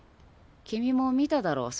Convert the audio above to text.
君も見ただろう